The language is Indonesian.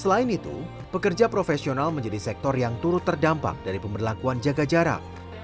selain itu pekerja profesional menjadi sektor yang turut terdampak dari pemberlakuan jaga jarak